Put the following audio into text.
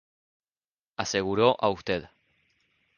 Aseguro a Ud.